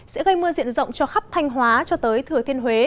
sẽ gây mưa diện rộng cho khắp thanh hóa cho tới thừa thiên huế